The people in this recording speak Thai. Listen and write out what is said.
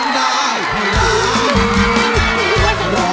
ได้เลย